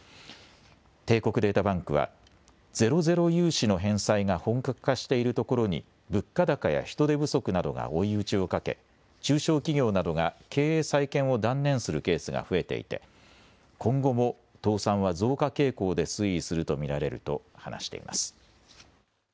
帝国データバンクはゼロゼロ融資の返済が本格化しているところに物価高や人手不足などが追い打ちをかけ中小企業などが経営再建を断念するケースが増えていて今後も倒産は増加傾向で推移すると見られると話しています。